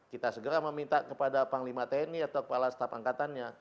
kita segera meminta kepada panglima tni atau kepala staf angkatannya